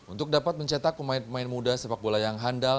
untuk dapat mencetak pemain pemain muda sepak bola yang handal